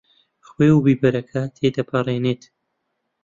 خوێ و بیبەرەکە تێدەپەڕێنیت؟